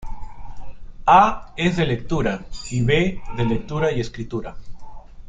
A es de lectura y B de lectura y escritura.